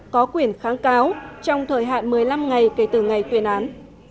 có quyền kháng cáo trong thời hạn một mươi năm ngày kể từ ngày tuyên án